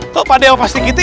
kok pak ade sama pak sedikitin